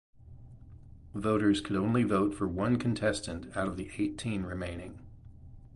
Voters could only vote for one contestant out of the eighteen remaining.